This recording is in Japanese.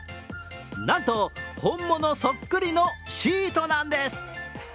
なんと、本物そっくりのシートなんです。